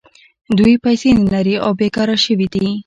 دوی پیسې نلري او بېکاره شوي دي